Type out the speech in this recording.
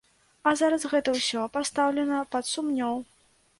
А зараз гэта ўсё пастаўлена пад сумнеў.